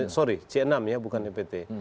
sorry c enam ya bukan ept